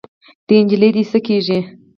دا نجلۍ دې څه کيږي؟